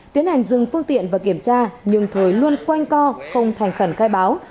tiến hành dừng phương tiện và kiểm tra nhưng thời luôn quanh co không thành khẩn khai báo